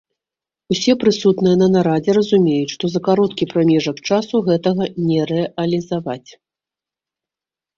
Усе прысутныя на нарадзе разумеюць, што за кароткі прамежак часу гэта не рэалізаваць.